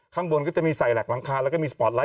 ข้างบนก็จะมีใส่หลักหลังคาแล้วก็มีสปอร์ตไลท